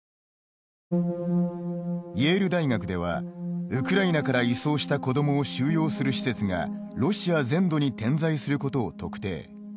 イェール大学ではウクライナから移送した子どもを収容する施設がロシア全土に点在することを特定。